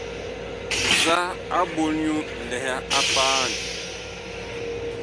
Nzaa a ɓol nyu nlɛha a paan?